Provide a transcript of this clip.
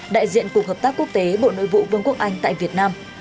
đại diện cục hợp tác quốc tế bộ nội vụ vương quốc anh tại việt nam